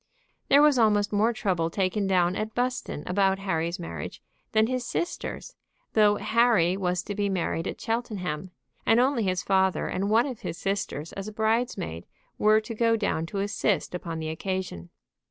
There was almost more trouble taken down at Buston about Harry's marriage than his sister's, though Harry was to be married at Cheltenham; and only his father, and one of his sisters as a bride's maid, were to go down to assist upon the occasion.